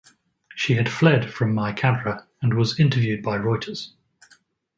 She had fled from Mai Kadra and was interviewed by Reuters.